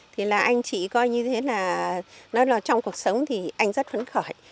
thì là anh chị coi như thế là nói là trong cuộc sống thì anh rất phấn khởi